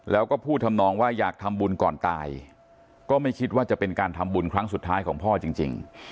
แล้วก็พูดทำนองว่าอยากทำบุญก่อนตายก็ไม่คิดว่าจะเป็นการทำบุญครั้งสุดท้ายของพ่อจริง